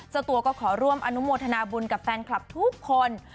เจ้าตัวก็ขอร่วมอนุโมทนาบุญกับแฟนคลับทุกคน